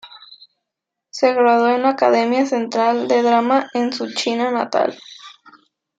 Se graduó en la Academia Central de Drama en su China natal.